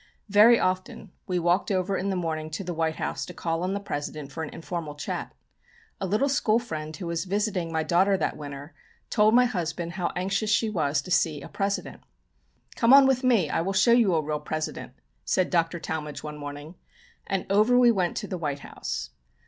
Very often, we walked over in the morning to the White House to call on the President for an informal chat. A little school friend, who was visiting my daughter that winter, told my husband how anxious she was to see a President. "Come on with me, I will show you a real President," said Dr. Talmage one morning, and over we went to the White House.